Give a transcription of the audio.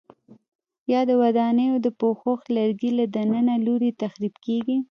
یا د ودانیو د پوښښ لرګي له دننه لوري تخریب کېږي؟